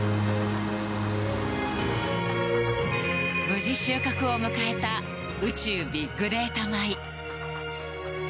無事収穫を迎えた宇宙ビッグデータ米。